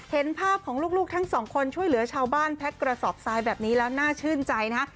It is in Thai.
เห็นภาพของลูกทั้งสองคนช่วยเหลือชาวบ้านแพ็กกระสอบทรายแบบนี้แล้วน่าชื่นใจนะฮะ